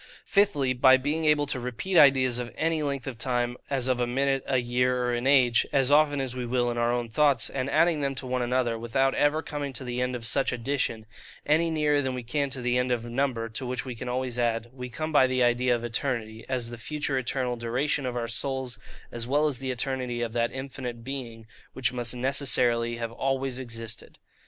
Fifthly, by being able to repeat ideas of any length of time, as of a minute, a year, or an age, as often as we will in our own thoughts, and adding them one to another, without ever coming to the end of such addition, any nearer than we can to the end of number, to which we can always add; we come by the idea of ETERNITY, as the future eternal duration of our souls, as well as the eternity of that infinite Being which must necessarily have always existed.